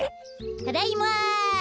ただいま！